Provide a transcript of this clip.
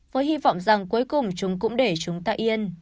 với hy vọng rằng cuối cùng chúng cũng để chúng ta yên